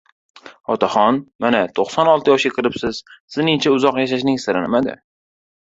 — Otaxon, mana, to‘qson olti yoshga kiribsiz, sizningcha, uzoq yashashning siri nimada?